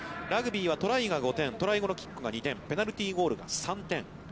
ラグビーはトライが５点、トライ後のキックが２点、ペナルティーゴールが３点。